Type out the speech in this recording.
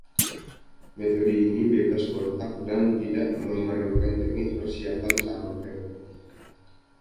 Metode ini bebas kontak dan tidak memerlukan teknik persiapan sampel.